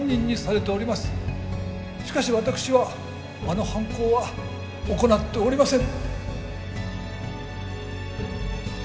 しかし私はあの犯行は行っておりません！